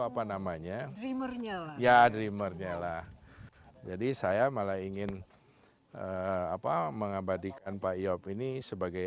apa namanya dreamernya ya dreamernya lah jadi saya malah ingin apa mengabadikan pak yop ini sebagai